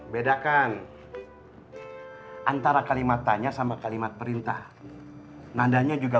bedakan antara kalimat tanya sama kalimat perintah nadanya juga